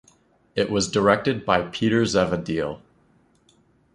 It was directed by Peter Zavadil.